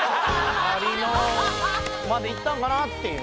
「ありの」までいったんかなっていう。